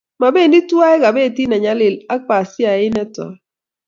mabendi tuwai kapetit ne nyalil ak pasiait ne toi